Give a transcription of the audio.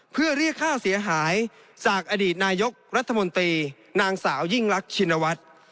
เพื่อเรียกค่าเสียหายจากอดีตนายกรัฐมนตรีนางสาวยิ่งรักชินวัฒน์